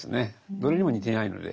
どれにも似ていないので。